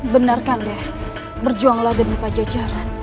benarkan deh berjuanglah demi pajajaran